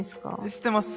知ってます。